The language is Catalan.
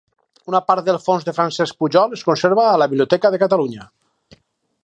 Una part del fons de Francesc Pujol es conserva a la Biblioteca de Catalunya.